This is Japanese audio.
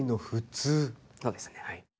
そうですねはい。